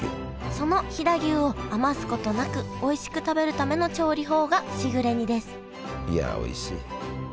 その飛騨牛を余すことなくおいしく食べるための調理法がしぐれ煮ですいやおいしい。